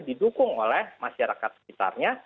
didukung oleh masyarakat sekitarnya